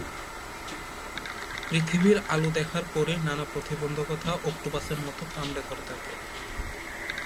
পৃথিবীর আলো দেখার পরই নানা প্রতিবন্ধকতা অক্টোপাসের মতো কামড়ে ধরে তাঁকে।